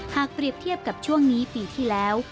หากเปรียบเทียบกับช่วงนี้ปีที่แล้ว